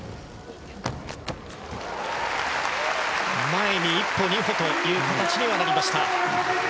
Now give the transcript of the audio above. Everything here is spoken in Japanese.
前に１歩、２歩という形にはなりました。